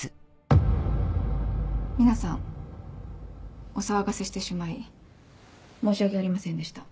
皆さんお騒がせしてしまい申し訳ありませんでした。